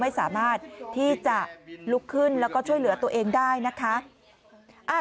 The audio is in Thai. ไม่สามารถที่จะลุกขึ้นแล้วก็ช่วยเหลือตัวเองได้นะคะ